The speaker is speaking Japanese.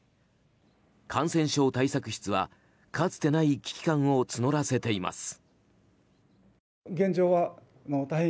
感染症対策室は、かつてない危機感を募らせています。